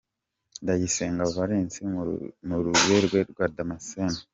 Ndayisenga Valens na Ruberwa Jean Damascene